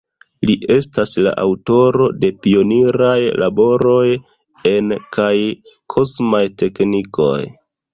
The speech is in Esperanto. Li estas la aŭtoro de pioniraj laboroj en kaj kosmaj teknikoj.